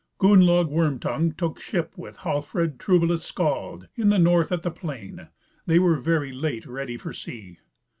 Gunnlaug Worm tongue took ship with Hallfred Troublous Skald, in the north at The Plain; they were very late ready for sea.